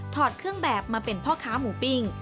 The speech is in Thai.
อดเครื่องแบบมาเป็นพ่อค้าหมูปิ้ง